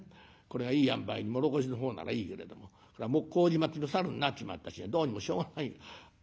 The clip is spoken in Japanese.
これがいいあんばいに唐土の方ならいいけれども麹町のサルになっちまった日にはどうにもしょうがない。